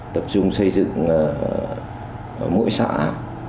tập trung xây dựng mỗi sản xuất của nông nghiệp